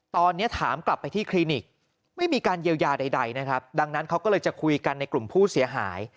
ตอนนี้ถามกลับไปที่คลินิกไม่มีการเยียวยาใดนะครับดังนั้นเขาก็เลยจะคุยกันในกลุ่มผู้เสียหาย